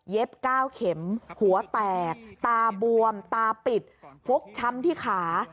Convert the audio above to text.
เย็บก้าวเข็มหัวแตกตาบวมตาปิดฟุกช้ำที่ขา